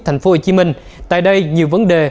tp hcm tại đây nhiều vấn đề